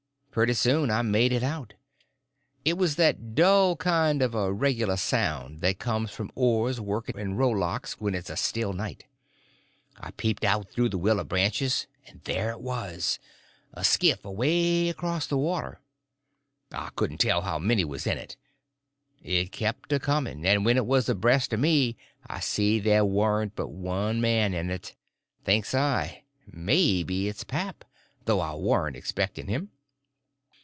Pretty soon I made it out. It was that dull kind of a regular sound that comes from oars working in rowlocks when it's a still night. I peeped out through the willow branches, and there it was—a skiff, away across the water. I couldn't tell how many was in it. It kept a coming, and when it was abreast of me I see there warn't but one man in it. Think's I, maybe it's pap, though I warn't expecting him.